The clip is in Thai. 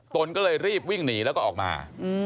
ตนก็เลยรีบวิ่งหนีแล้วก็ออกมา